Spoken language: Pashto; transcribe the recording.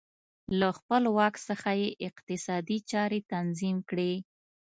له خپل واک څخه یې اقتصادي چارې تنظیم کړې